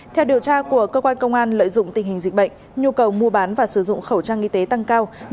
theo điều tra của cơ quan công an lợi dụng tình hình dịch bệnh nhu cầu mua bán và sử dụng khẩu trang y tế tăng cao